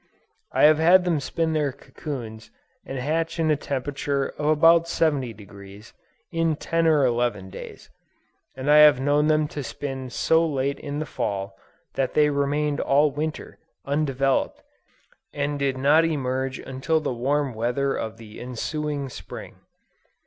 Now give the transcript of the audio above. I have had them spin their cocoons and hatch in a temperature of about 70°, in ten or eleven days, and I have known them to spin so late in the Fall, that they remained all Winter, undeveloped, and did not emerge until the warm weather of the ensuing Spring!